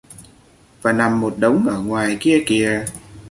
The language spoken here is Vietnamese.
Và nằm một đống ở ngoài kia kìa